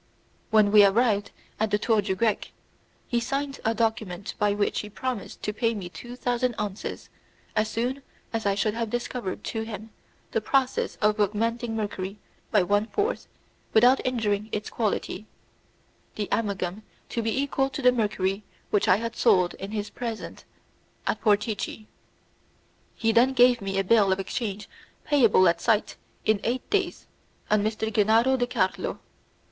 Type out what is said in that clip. When we arrived at the Tour du Grec, he signed a document by which he promised to pay me two thousand ounces as soon as I should have discovered to him the process of augmenting mercury by one fourth without injuring its quality, the amalgam to be equal to the mercury which I had sold in his presence at Portici. He then gave me a bill of exchange payable at sight in eight days on M. Genaro de Carlo.